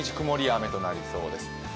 曇りや雨となりそうです。